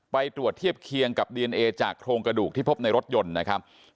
ไปตรวจเทียบเคียงกับดีเอนเอจากโครงกระดูกที่พบในรถยนต์นะครับ